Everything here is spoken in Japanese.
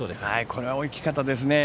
これは大きかったですね。